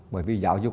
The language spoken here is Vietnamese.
bởi vì giáo dục